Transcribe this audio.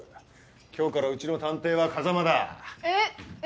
今日からうちの探偵は風真だ。え？え？